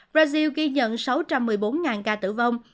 brazil ghi nhận sáu trăm một mươi bốn ca tử vong